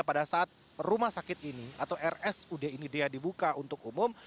pada saat rumah sakit ini atau rsud ini dia dibuka untuk umum